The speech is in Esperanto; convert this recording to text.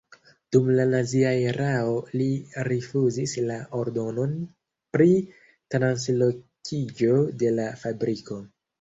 Dum la nazia erao li rifuzis la ordonon pri translokiĝo de la fabriko.